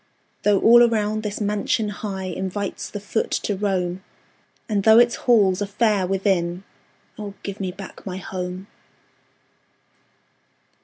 Though all around this mansion high Invites the foot to roam, And though its halls are fair within Oh, give me back my HOME!